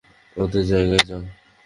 ওদের জায়গায় যাও!